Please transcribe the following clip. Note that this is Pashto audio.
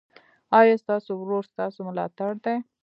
ایا ستاسو ورور ستاسو ملاتړ دی؟